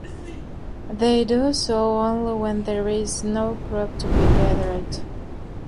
They do so only when there is no crop to be gathered.